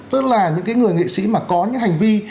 tức là những cái người nghệ sĩ mà có những hành vi